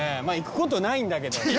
まぁ行くことないんだけど。